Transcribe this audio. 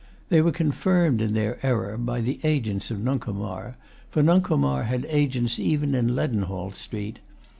They were confirmed in their error by the agents of Nuncomar; for Nuncomar had agents even in Leadenhall Street.